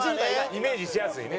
イメージしやすいね。